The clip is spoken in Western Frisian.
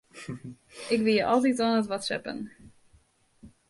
Ik wie altyd oan it whatsappen.